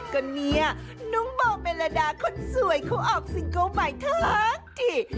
ก็เนี่ยน้องโบเมลดาคนสวยเขาออกซิงเกิ้ลใหม่ทั้งที